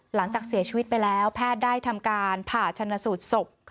หลังจากเสียชีวิตไปแล้วแพทย์ได้ทำการผ่าชนสูตรศพ